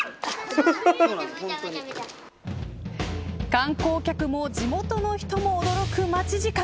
観光客も地元の人も驚く待ち時間。